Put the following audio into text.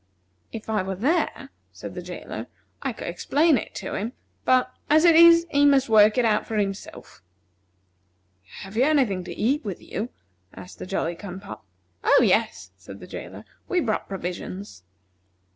"If I were there," said the jailer, "I could explain it to him; but, as it is, he must work it out for himself." "Have you any thing to eat with you?" asked the Jolly cum pop. "Oh, yes," said the jailer, "we brought provisions."